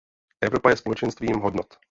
Evropa je společenstvím hodnot.